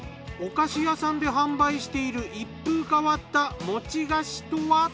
お菓子屋さんで販売している一風変わった餅菓子とは？